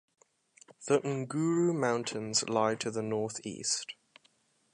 The Nguru Mountains lie to the northeast.